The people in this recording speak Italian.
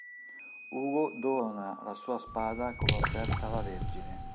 Ugo dona la sua spada come offerta alla Vergine.